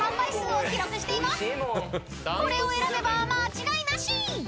［これを選べば間違いなし］